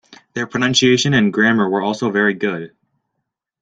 Their pronunciation and grammar were also very good.